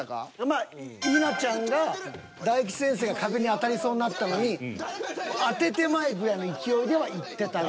まあ稲ちゃんが大吉先生が壁に当たりそうになったのに当ててまえ！ぐらいな勢いではいってたな。